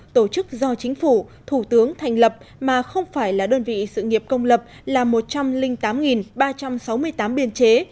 tổ chức do chính phủ thủ tướng thành lập mà không phải là đơn vị sự nghiệp công lập là một trăm linh tám ba trăm sáu mươi tám biên chế